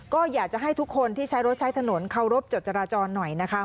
ก็อยากจะให้ทุกคนที่ใช้รถใช้ถนนเคารพจดจราจรหน่อยนะคะ